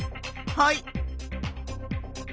はい。